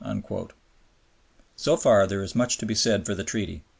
" So far there is much to be said for the Treaty.